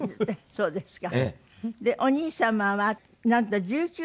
そうですか。